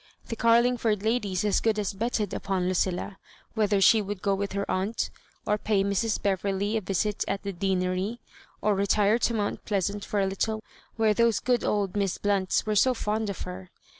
The Carling ford ladies as good as betted upon Lucilla, whe ther she would go with her aunt, or pay Mrs. Bev erley a visit at the Deanery, or retire to Mount Pleasant for a little, where those good old Miss Blunts were so fond of her.